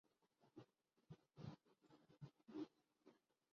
بل کھاتی ہوئی ایک سڑک مسلسل بلندی کی طرف جاتی ہے۔